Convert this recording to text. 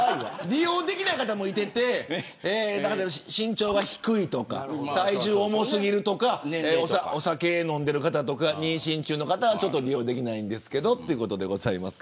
利用できない方もいてて身長が低いとか体重、重過ぎるとかお酒飲んでる方とか妊娠中の方は利用できないんですけどということでございます。